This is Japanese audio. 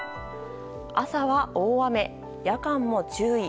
朝は大雨、夜間も注意。